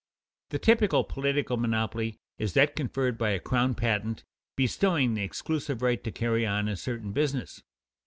The typical political monopoly is that conferred by a crown patent bestowing the exclusive right to carry on a certain business.